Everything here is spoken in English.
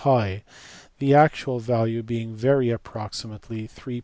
r, the actual value being very approximately 3*1416.